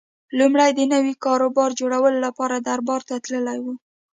لومړی د نوي کاروبار جوړولو لپاره دربار ته تللی و